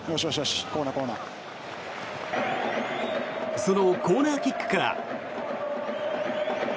そのコーナーキックから。